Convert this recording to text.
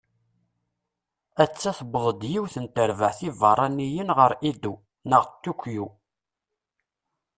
Atta tewweḍ-d yiwet n terbaεt ibeṛṛaniyen ɣer Edo, neɣ Ṭukyu.